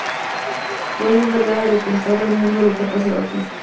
Tú eres la encargada de contarle al mundo lo que ha pasado aquí".